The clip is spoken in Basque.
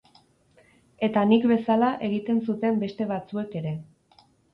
Eta nik bezala egiten zuten beste batzuek ere.